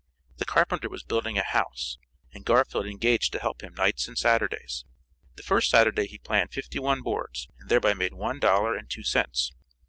The carpenter was building a house, and Garfield engaged to help him nights and Saturdays. The first Saturday he planed fifty one boards, and thereby made one dollar and two cents.